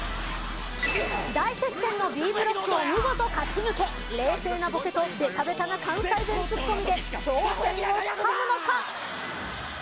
大接戦のＢブロックを見事勝ち抜け冷静なボケとべたべたな関西弁ツッコミ。